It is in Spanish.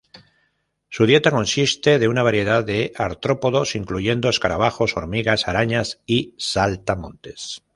Su dieta consiste de una variedad de artrópodos, incluyendo escarabajos, hormigas, arañas y saltamontes.